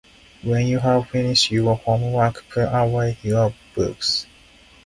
When you have finished your homework, put away your books.